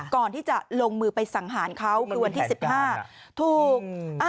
ก่อนที่จะลงมือไปสังหารเขาคือวันที่๑๕ถูก